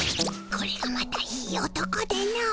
これがまたいい男での。